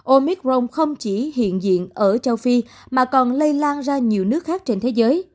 omicron không chỉ hiện diện ở châu phi mà còn lây lan ra nhiều nước khác trên thế giới